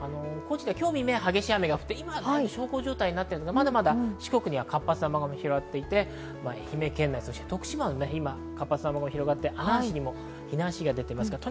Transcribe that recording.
今日未明、激しい雨が降って、今は小康状態なっていますが、まだまだ四国には活発な雨雲が広がっていて、愛媛県内、徳島も今、活発な雨雲が広がって阿南市にも避難指示が出ています。